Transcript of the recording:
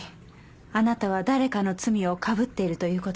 あなたは誰かの罪をかぶっているということです。